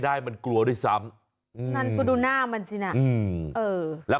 แล้วงูตัวนี้ครับ